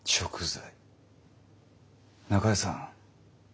中江さん